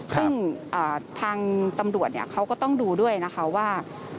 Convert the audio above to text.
ซึ่งทางตำรวจเขาก็ต้องดูด้วยนะคะว่า